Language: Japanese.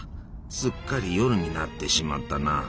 すっかり夜になってしまったな。